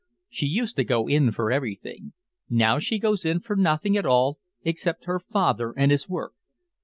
She used to go in for everything. Now she goes in for nothing at all except her father and his work.